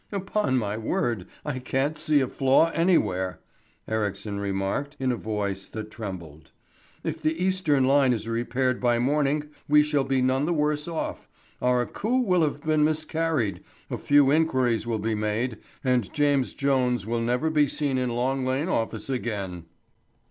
"Upon my word, I can't see a flaw anywhere," Ericsson remarked, in a voice that trembled. "If the Eastern line is repaired by morning we shall be none the worse off. Our coup will have miscarried, a few inquiries will be made, and James Jones will never be seen in Long Lane Office again."